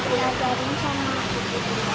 tuhu allah allah allah allah allah